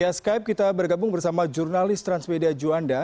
ya skype kita bergabung bersama jurnalis transmedia juanda